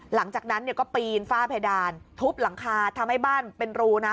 หลังจากนั้นเนี่ยก็ปีนฝ้าเพดานทุบหลังคาทำให้บ้านเป็นรูนะ